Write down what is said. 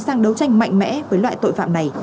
sang đấu tranh mạnh mẽ với loại tội phạm này